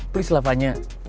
please lah vanya